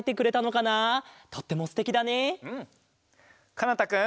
かなたくん。